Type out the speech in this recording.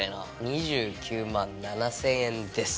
２９万７０００円です。